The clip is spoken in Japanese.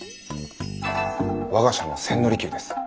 我が社の千利休です。